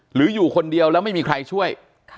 หรืออยู่คนเดียวแล้วไม่มีใครช่วย